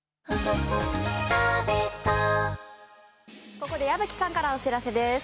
ここで矢吹さんからお知らせです。